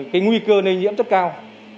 cái nguy cơ lây nhiễm rất cao